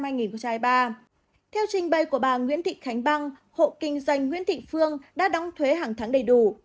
theo trình bày của bà nguyễn thị khánh băng hộ kinh doanh nguyễn thị phương đã đóng thuế hàng tháng đầy đủ